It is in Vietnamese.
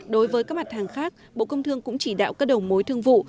đối với các mặt hàng khác bộ công thương cũng chỉ đạo các đầu mối thương vụ